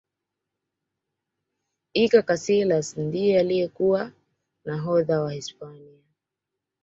iker casilas ndiye aliyekuwa nahodha wa hispania